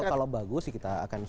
kalau bagus ya kita akan